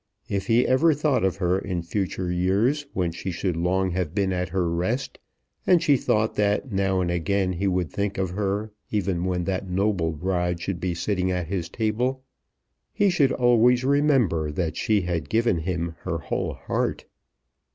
If he ever thought of her in future years when she should long have been at her rest, and she thought that now and again he would think of her, even when that noble bride should be sitting at his table, he should always remember that she had given him her whole heart.